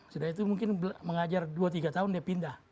sudah itu mungkin mengajar dua tiga tahun dia pindah